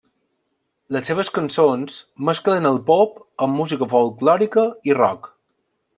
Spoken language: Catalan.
Les seves cançons mesclen el pop amb música folklòrica i rock.